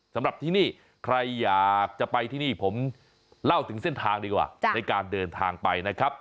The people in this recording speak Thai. สำหรับที่นี่ใครอยากจะไปที่นี่ผมเล่าถึงเส้นทางดีกว่าในการเดินทางไปนะครับ